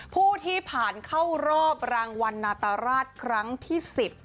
ผู้ที่ผ่านเข้ารอบรางวัลนาตราชครั้งที่๑๐